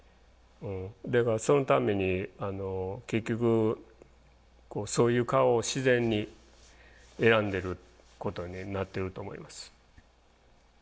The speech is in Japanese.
だからそのために結局そういう顔を自然に選んでることになってると思います。